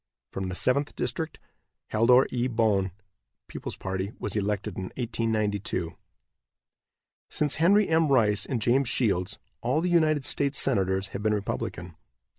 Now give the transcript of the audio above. From the Seventh district Haldor E. Boen, People's Party, was elected in 1892. Since Henry M. Rice and James Shields, all the United States Senators have been Republican.